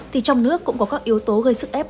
thì trong nước cũng có các yếu tố gây sức ép